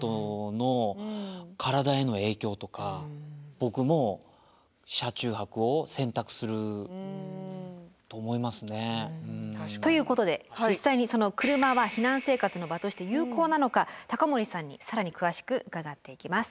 僕も車中泊を選択すると思いますね。ということで実際に車は避難生活の場として有効なのか高森さんに更に詳しく伺っていきます。